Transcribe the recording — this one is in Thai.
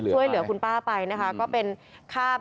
ช่วยเหลือคุณป้าไปนะคะก็เป็นข้าม